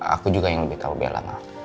aku juga yang lebih tau bella ma